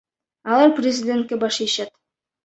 Алар президентке баш ийишет.